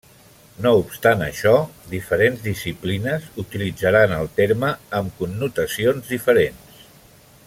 No obstant això, diferents disciplines utilitzaran el terme amb connotacions diferents.